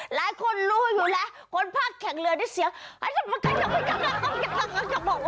หลายคนรู้อยู่แล้วคนภาคแข่งเรือได้เสียง